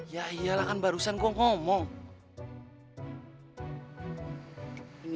ya iyalah kan barusan kok ngomong